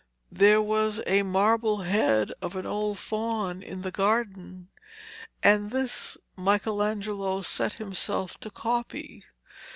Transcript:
There was a marble head of an old faun in the garden, and this Michelangelo set himself to copy.